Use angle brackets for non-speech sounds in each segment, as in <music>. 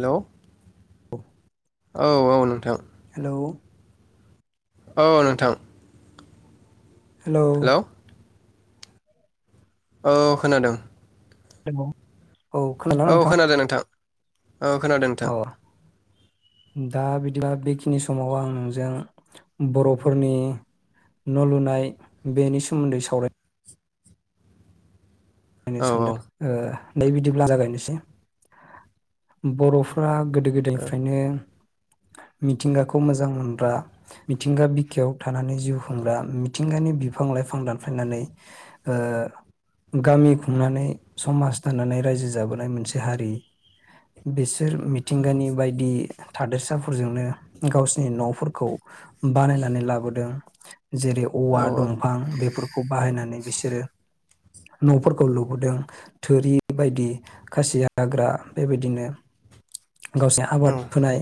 हेल' औ औ औ नोंथां हेल' औ नोंथां हेलौ औ खोनादों हेलौ औ खोनादोंना औ खोनादों नोंथां औ खोनादों अ नोंथां दा बिदिबा बेखिनि समाव आं नोंजों बर'फोरनि न' लुनाय बेनि सोमोन्दै सावराय नो औ औ औ सानदों ओ दे बिदिब्ला जागायनोसै बर' फोरा गोदो गोदायनिफ्रायनो मिथिंगाखौ मोजां मोनग्रा मिथिंगा बिखायाव थानानै जिउ खुंग्रा मिथिंगानि बिफां लाइफां दानफायनानै ओ गामि माने समाज दानानै रायजो जाबोनाय मोनसे हारि बिस सोर औ मिथिंगानि बायदि थादेरसाफोरजोंनो गावसिनि न'फोरखौ बानायनानै लाबोदों जेरै औवा औ दंफां बेफोरखौ बाहायनानै बिसोरो न'फोर खौ लुबोदों थुरि बायदि खासि हाग्रा बेबायदिनो गाव जे औ आबाद फोनाय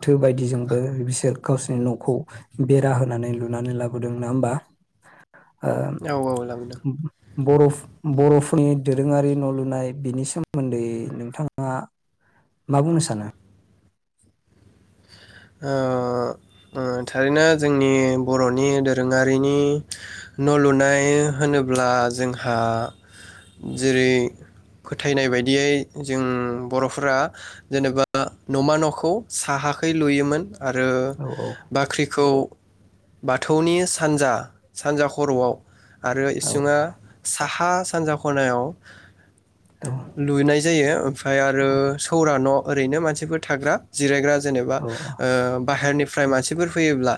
थो बायदिजोंबो बिसोर गावसोनि न'खौ बेरा होनानै लुनानै लाबोदों ना होमबा ओ औ लाबोदों बर'फ बर'फोरनि दोरोङारि न' लुनाय बिनि सोमोन्दै नोंथाङा मा बुंनो सानो? ओ ओ थारैनो जोंनि बर'नि दोरोङारिनि न' लुनाय होनोब्ला जोंहा जेरै फोथायनाय बायदियै जों बर'फोरा जेनेबा न'मा न'खौ साहाखै लुयोमोन आरो औ बाख्रिखौ बाथौनि सानजा सानजा खर'आव आरो औ इसुङा साहा सानजा ख'नायाव औ लुनाय जायो । ओफ्रय आरो सौरा न' ओरैनो मानसिफोर थाग्रा जिरायग्रा जेन ओ बाहेरनि फ्राय मानसिफोर फैयोब्ला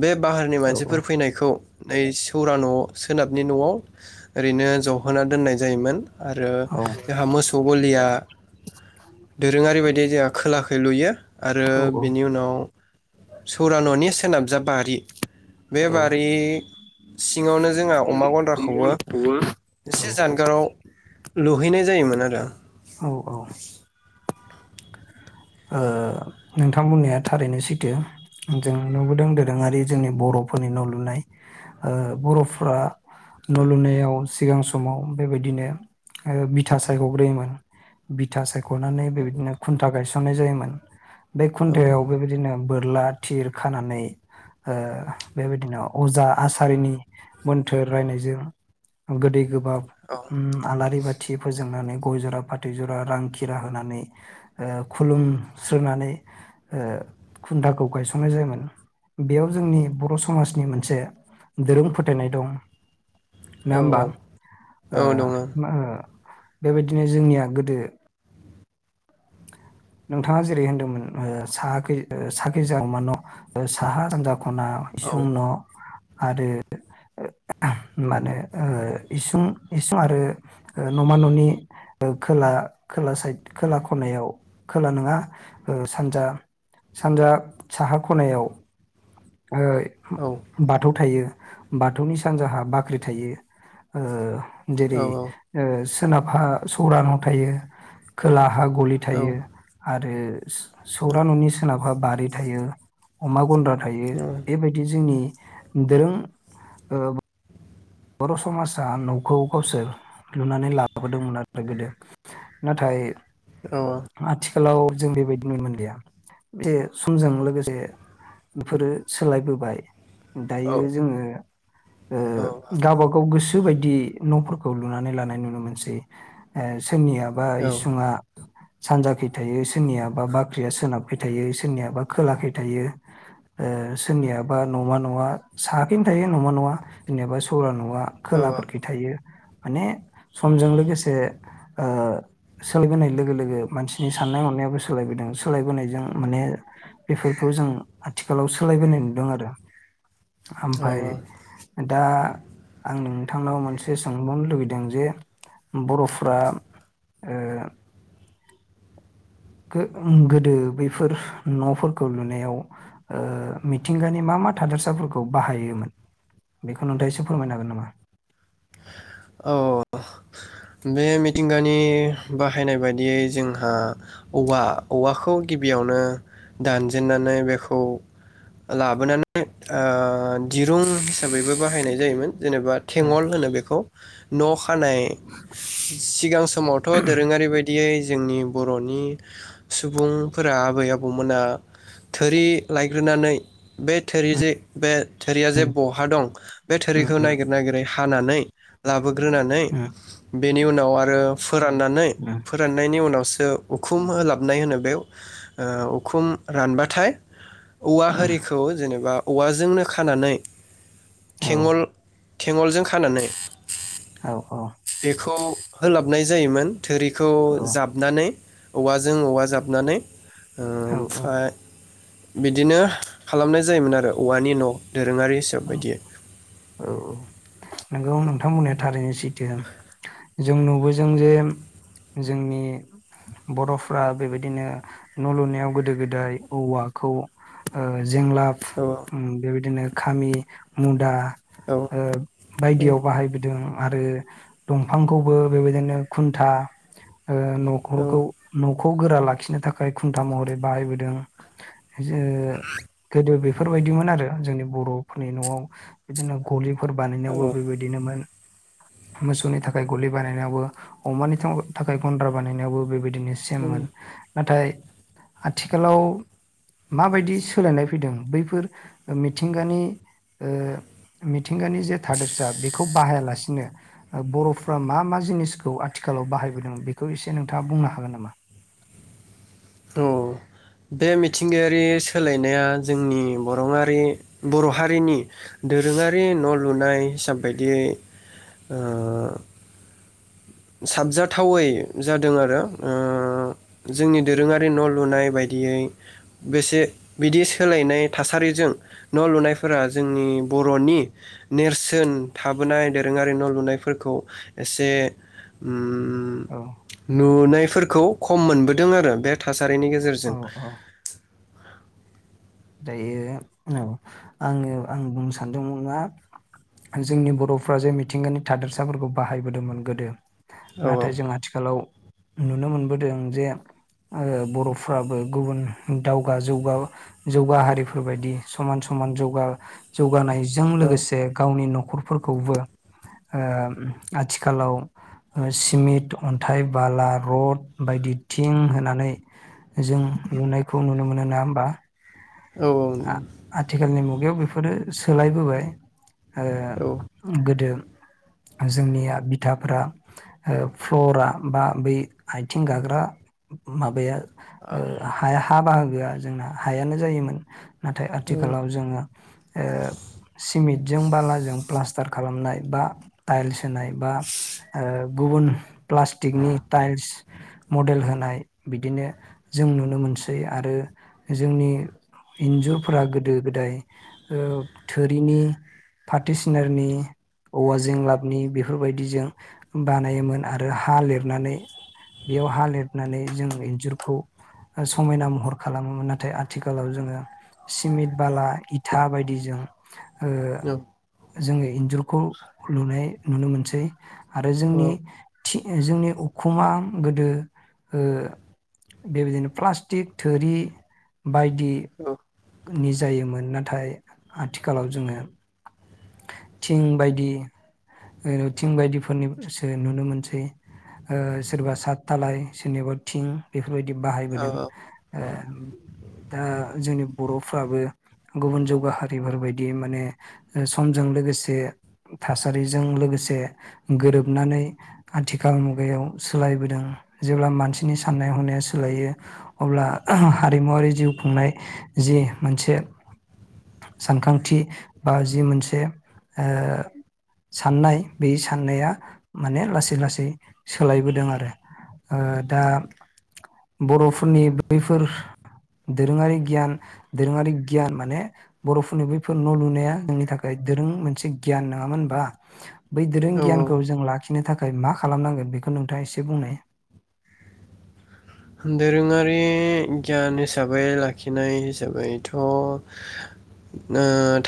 बे बाहारनि औ औ मानसिफोर फैनायखौ नै सौरा न' सोनाबनि न'आव ओरैनो ज'होना दोननाय जायोमोन । आरो औ जोहा मोसौ गलिया दोरोङारि बायदि देहा खोलाखै लुयो । औ आरो बेनि उनाव सौरा न'नि सो नाबजा बारि बे बारि सिङावनो जोंहा अमा गन्द्राखौबो इसे जानगाराव लुहैनाय जायोमोन आरो औ औ ओ नोंथां बुंनाया थारैनो सैथो । जों नुबोदों दोरोङारि जोंनि बर'फोरनि न' लुनाय ओ बर'फ्रा न' लुनायाव सिगां सम माव बेबायदिनो ओ बिथा सायख'ग्रोयोमोन बिथा साय ख'नानै बेबायदिनो खुनथा गायस नाय जायोमोन । बे औ खुनथायाव बेबायदिनो बोर ला थिर खानानै ओ बेबायदिनो अजा आसारिनि मोनथोर रायनायजों गोदै गो बाब ओम आलारि बा थि फोजोंनानै गय-ज'रा फाथ थै जरा रां खिरा होनानै ओ खुलुमस्रोनानै ओ खुन्थाखौ गायसंनाय जायोमोन बेयाव जोंनि बर' समाजनि मोनसे दोरों फोथायनाय दं ना औ होमबा औ ओ दङ औ औ मा ओ बेबायदिनो जोंनिया गोदो नोंथाङा जेरै होनदोंमोन ओ साहाखै ओ साखैजा नमा न ओ साहा सानजा खना इसिं न' आरो ओ मानो ओ इसुं इसुं आरो ओ न'मा न'नि खोला खोला साइद खोला खनायाव खोला नोङा ओ सानजा सानजा साहा खनायाव ओ बाथौ थायो बाथौनि सानजाहा बाख्रि थायो ओ जेरै ओ सो नाबहा सौरा न थायो खोला हा गलि थायो आरो <unintelligible> सौरा न'नि सोनाबहा बारि थायो अमा गन्द्रा थायो बेबायदि जोंनि दोरों ओ बर' समासा न'खौ गावसोर लुनानै लाबोदोंमोन आरो गोदो नाथाय औ खालाव जों बेबायदि नुनो मोनलिया बे समजों लोगोसे बेफोरो सोलायबोबाय दायो जोङो ओ गावबा गाव गोसो बायदि न'फोरखौ खौ लुनानै लानाय नुनो मोनसै ओ सोरनिया बा इसुङा सानजाखै थायो सोरनियाबा बाख्रिया सोनाबखै थायो सोरनियाबा खोलाखै थायो ओ सोरनियाबा नमा न'आ साहाखैनो थायो न'मा न'आ सौरा न'आ औ खोलाफोरखै थायो माने समजों लोगोसे ओ सोलिबोनाय लोगो लोगो मानसिनि साननाय हनायाबो सो लायबोदों सोलायबोनायजों माने बेफोरखौ जों आथिखालाव सोलायबोनाय नुदों आरो आमफाय दा आं नोंथांनाव मोनसे सोंबावनो लुुबैदों जे बर'फ्रा ओ गो ओ गोदो बैफोर न'फोरखौ लुनायाव ओ मिथिंगानि मा मा थादोरसाफोरखौ बाहायोमोन बेखौ नोंथाङा एसे फोरमायनो हागोन नामा औ बे मिथिंगानि बाहायनाय बायदियै जोंहा औवा औवाखौ गिबियावनो दानजेननानै बेखौ लाबोनानै ओ दिरुं हिसाबैबो बाहायनाय जायोमोन जेनेबा औ उम थेंगल होनो खौ न' खानाय सिगां समावथ' दोरोङारि बायदि यै जोंनि बर'नि सुबुंफोरा आबै आबौमोना थोरि लायग्रोनानै बे थोरि जे बे थोरिया जे उम बहा दं बे उम थोरिखौ नागिर नागिरै हानानै लाबो ग्रोनानै बे उम बेनि उनाव आरो फोराननानै उम फोराननायनि उनावसो जो उखुम होलाबनाय होनो ओ बे उखुम रानबाथाय औवा उम होरिखौ जेनेबा औवाजोंनो खानानै औ थेंगल थेंगलजों खानानै औ औ बेखौ होलाबनाय जायोमोन। थोरिखौ औ जाबनानै औवाजों औवा जाबनानै औ ओमफाय बिदिनो खालामनाय जायोमोन आरो औवानि न' दोरोङारि हिसाब औ बायदियै। थां बुंनाया थारैनो सैथो जों नुबोजों जे जोंनि बड'फ्रा बेबायदिनो न' लुनायाव गोदो-गोदाय औवाखौ ओ जेंलाब औ ओम बेबायदिनो खामि मुदा औ ओ बायदियाव बाहायबोदों। आरो दंफांखौबो बेबायदिनो खुनथा ओ न'खरखौ न- खौ गोरा लाखिनो थाखाय खुनथा महरै बाहायबोदों। जो गोदो बे फोरबायदिमोन आरो जोंनि बर'फोरनि न'आव बिदिनो ग'लि फोर औ बानायनायावबो बेबायदिनोमोन मोसौनि थाखाय ग'लि बानायनायावबो अमानि थ' थाखाय गनद्रा बानायनायावबो बेबाय दिनो सेममोन औ नाथाय आथिखालाव माबायदि सोलायनाय फैदों बैफोर ओ मिथिंगानि ओ मिथिंगानि जे थादोरसा बेखौ बाहायालासिनो ओ बर'फ्रा मा मा जिनिसखौ आथिखालाव बाहायबोदों बेखौ एसे नोंथाङा बुंनो हागोन नामा? औ बे मिथिंगायारि सोलायनाया जोंनि बर‌' आरि बर' हारिनि दोरोङारि न' लुनाय हिसाब बायदियै ओ साबजाथावै जादों आरो ओ जोंनि दोरोङारि न' लुनाय बायदियै बेसे बिदि सोलायनाय थासारिजों न' लुनायफोरा जोंनि बर'नि नेरसोन थाबोनाय दोरोङारि न' लुनायफोरखौ एसे उम औ उम नुनायफोर खौ खम मोनबोदों आरो बे थास सारिनि औ गेजेरजों। औ दायो औ आङो आं बुं सानदोंमोन मा जोंनि बर'फोरा जे मिथिंगानि थादोरसाफोरखौ बाहायबोदोंमोन गोदो औ नाथाय जों आथिखालाव नुनो मोनबोदों जे आरो बर'फ्राबो गुबुन दावगा जौगा जौगा हारिफोर बादि समान समान जौगा जौगानाय जों लोगोसे गावनि न ख'रफोरखौबो ओम आथिखालाव ओ सिमेन्ट अन्थाइ बाला रड बायदि थिं होनानै जों लुनायखौ नुनो मोनो। नङा होमबा? औ आ आथिखालनि मु गायाव बेफोरो सोलायबोबाय ओ औ गोदो जोंनिया बिथाफ्रा फ्लरा बा बै आथिं गाग्रा माबाया ओ हा बाहागो आ जोंना हायानो जायोमोन नाथाय आथिखालाव जोङो ओ सिमेट जों बाला जों प्लास्टार खालामनाय बा टाइलस होनाय बा ओ गुबुन प्लास्टिकनि टाइल्स मडेल होनाय बिदिनो जों नुनो मोनसै आरो जोंनि इन्जुरफोरा गोदो गोदाय ओ थोरिनि फाथ सिनानि औवा जेंलाबनि बेफोरबायदिजों बानायोमोन आरो हा लिरनानै बेयाव हा लिरनानै जों इन्जुरखौ समायना महर खालामोमोन नाथाय आथि खालाव जोङो सिमेन्ट बाला इथा बायदिजों ओ औ जोङो इन्जुरखौ लुनाय नुनो मोनसै आरो जोंनि जोंनि उखुमा गोदो ओ बेबायदिनो प्लास्टिक थोरि बायदि नि जायोमोन नाथाय आथिखालाव जोङो थिं बायदि ओ थिं बायदिफोरनि सो नुनो मोनसै ओ सोरबा सात दालाय सोरनिबा थिं बेफो रबायदि बाहायबोदों दा जोंनि बर'फ्राबो गुबुन जौगाहारि फोरबायदि मानेओ समजों लोगोसे थासारिजों लोगोसे गोरोबनानै आथिखाल मुगायाव सोलायबोदों जेब्ला मानसिनि साननाय हनाया सोलायो अब्ला हारिमुवारि जिउ खुंनाय जि मोनसे सानखांथि बा जि मोनसे से ओ साननाय बे साननाया माने लासै लासै सोलायबोदों आरो ओ दा बर'फोरनि बैफोर दोरोङारि गियान दोरोङारि गियान माने बर'फोरनि बैफोर न' लुनाया जोंनि था खाय दोरों मोनसे गियान नङामोन होमबा बै दोरों औ औ गियानखौ जों ला खिनो थाखाय मा खालामनांगोन बेखौ नोंथाङा एसे बुंनाय दोरोङारि गियान हिसाबै लाखिनाय हिसाबैथ' ओ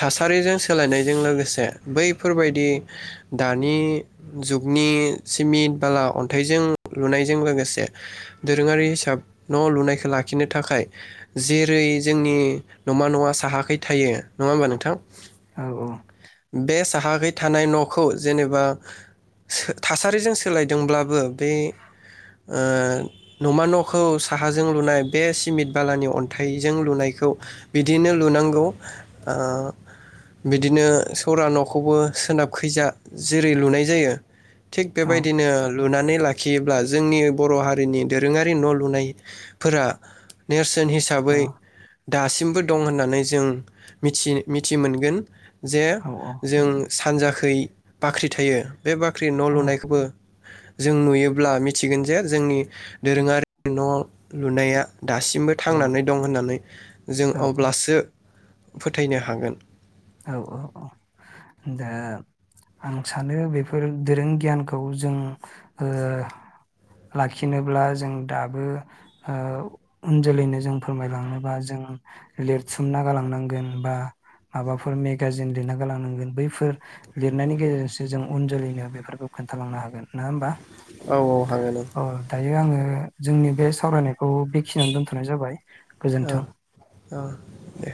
थासारिजों सोलायनायजों लोगोसे बैफोरबायदि दानि जुगनि सिमिट बाला अन्थाइजों लुनायजों लोगोसे दोरोङारि हिसाब न' लुनायखौ लाखिनो थाखाय जेरै जोंनि नमा नङा साहाखै थायो नङा होमबा नोंथां? औ बे साहाखै थानाय न'खौ जेनेबा थासारिजों सोलायदोंब्लाबो बे ओ न'मा न'खौ साहाजों लुनाय बे सिमिट बालानि अन्थाइजों लुनायखौ बिदिनो लुनांगौ ओ बिदिनो सरा न'खौबो सोनाबखैजा जेरै लुनाय जायो थिग औ बेबायदिनो लुनानै ला खियोब्ला जोंनि बर' हारिनि दोरोङारि न' लुनायफोरा नेर सोन हिसाबै दासिमबो दं होननानै जों मिथि मिथि मोनगोन जे औ जों सानजाखै बाख्रि थायो। बे बाख्रि न' औ औ लुनायखौबो जों नुयोब्ला मिथिगोन जे जोंनि दोरोङारि न' लुनाया दासिमबो थांनानै दं होननानै जों औ अब्लासो फोथायनो हागोन। औ-औ-औ दा आं सानो बेफोर दोरों गियानखौ जों ओ लाखिनोब्ला जों दाबो उन जोलैनो जों फोरमायलांनोबा जों लिरथुमना गालांनांगोन बा माबाफोर मेगाजिन लिरना गालांनांगोन बैफोर लिरनायनि गेजेरजोंसो जों उन जोलैनो बेफोरखौ खोनथालांनो हागोन नङा होमबा? औ औ हागोन औ अ दायो आङो जोंनि बे सावरायनायखौ बेखिनियाव दोनथ'नाय जाबाय। गोजोन्थों। औ औ दे